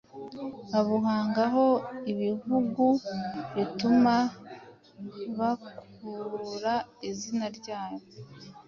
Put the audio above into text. babuhangaho ibihugu, bituma bakura izina ryabo